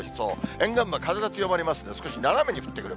沿岸部は風が強まりますので、少し斜めに降ってくる。